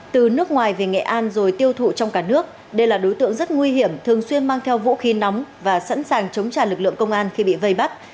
từ nước ngoài về nghệ an rồi tiêu thụ trong cả nước đây là đối tượng rất nguy hiểm thường xuyên mang theo vũ khí nóng và sẵn sàng chống trả lực lượng công an khi bị vây bắt